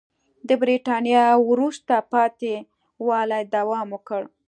د برېټانیا وروسته پاتې والي دوام وکړ.